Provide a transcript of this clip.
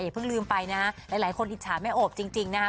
เพิ่งลืมไปนะฮะหลายคนอิจฉาแม่โอบจริงนะคะ